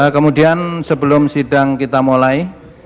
kemudian sebelum sidang kita mulai